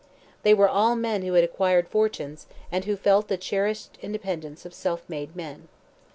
They were all men who had acquired fortunes, and who felt and cherished the independence of self made men.